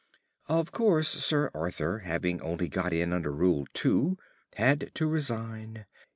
"Of course, Sir Arthur having only got in under Rule Two, had to resign.